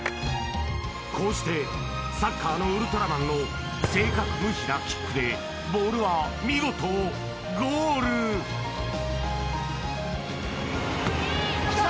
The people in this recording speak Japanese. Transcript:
こうしてサッカーのウルトラマンの正確無比なキックでボールは見事ゴールきた！